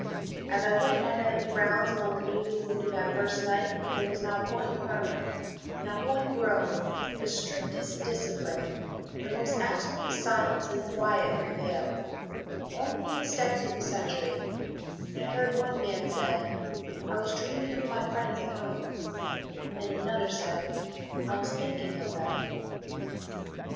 As I went my night rounds among the newly wounded that first night, there was not one murmur, not one groan, the strictest discipline the most absolute silence and quiet prevailed only the steps of the Sentry and I heard one man say, "I was dreaming of my friends at Home," and another said, "I was thinking of them."